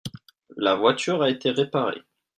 La voiture a été réparée.